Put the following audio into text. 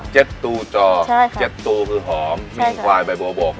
เจ็ดตูจอใช่ค่ะเจ็ดตูคือหอมใช่ค่ะมิ้งควายใบบวก